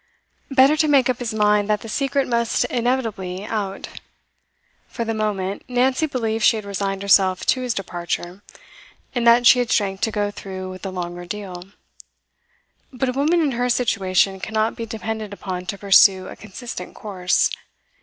Better to make up his mind that the secret must inevitably out. For the moment, Nancy believed she had resigned herself to his departure, and that she had strength to go through with the long ordeal. But a woman in her situation cannot be depended upon to pursue a consistent course.